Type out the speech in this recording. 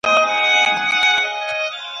تېری کوونکی به خامخا مجازات کېږي.